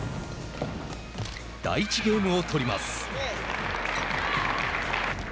第１ゲームを取ります。